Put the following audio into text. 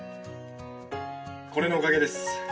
「これのおかげです」